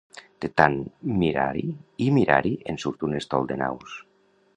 De tant mirar-hi i mirar-hi en surt un estol de naus.